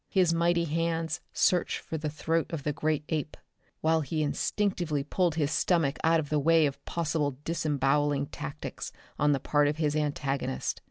His mighty hands searched for the throat of the great ape, while he instinctively pulled his stomach out of the way of possible disemboweling tactics on the part of his antagonist.